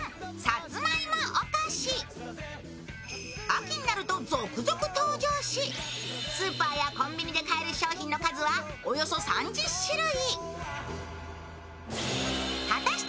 秋になると続々登場し、スーパーやコンビニで買える商品の数は、およそ３０種類。